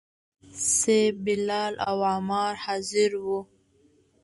صیب، بلال او عمار حاضر وو.